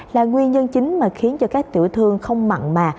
là nguyên nhân chính mà khiến cho các tiểu thương không mặn mà